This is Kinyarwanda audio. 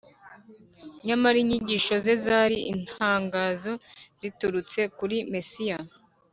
. Nyamara inyigisho ze zari itangazo riturutse kuri Mesiya